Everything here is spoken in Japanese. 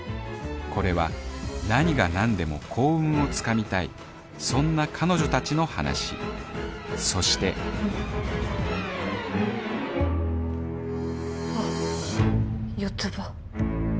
これは何が何でも幸運を掴みたいそんな彼女たちの話そしてあっ四つ葉。